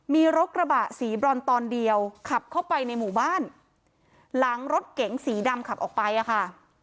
มีรถกระบะสีบรอนตอนเดียวขับเข้าไปในหมู่บ้านหลังรถเก๋งสีดำขับออกไปอ่ะค่ะ